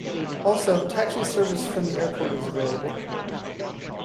Also taxi service from the airport is available.